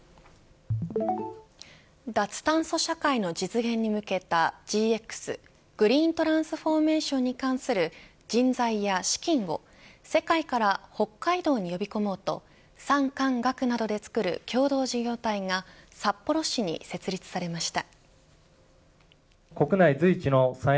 脱炭素社会の実現に向けたＧＸ、グリーントランスフォーメーションに関する人材や資金を世界から北海道に呼び込もうと産官学などでつくる共同事業体が札幌市に設立されました。